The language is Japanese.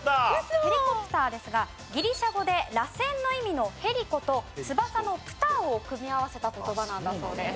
ヘリコプターですがギリシャ語でらせんの意味の「ヘリコ」と翼の「プター」を組み合わせた言葉なんだそうです。